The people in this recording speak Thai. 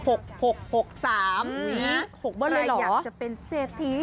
หล่อยหลายอย่างจะเป็นเสที